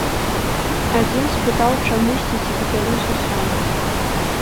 Адзін спытаў чамусьці, ці дабяруся сам.